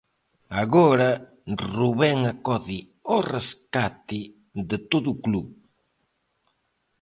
Agora, Rubén acode ao rescate de todo o club.